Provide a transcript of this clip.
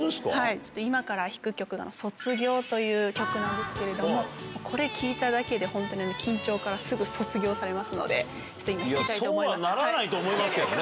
ちょっと今から弾く曲、卒業という曲なんですけれども、これ聴いただけで本当に緊張からすぐ卒業されますので、そうはならないと思いますけどね。